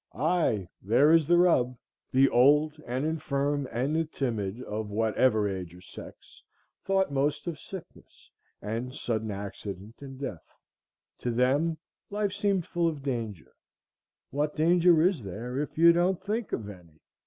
Ay! there was the rub. The old and infirm and the timid, of whatever age or sex, thought most of sickness, and sudden accident and death; to them life seemed full of danger,—what danger is there if you don't think of any?